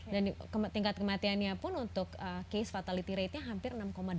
dan tingkat kematiannya pun untuk case fatality ratenya hampir enam delapan